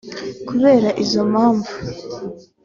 Kubera izo mpamvu